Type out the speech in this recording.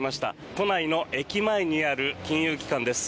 都内の駅前にある金融機関です。